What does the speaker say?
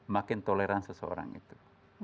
makin toleransi seseorang itu